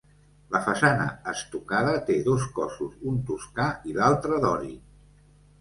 La façana, estucada té dos cossos, un toscà i l'altre dòric.